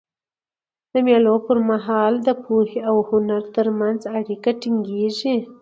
د مېلو پر مهال د پوهي او هنر ترمنځ اړیکه ټینګيږي.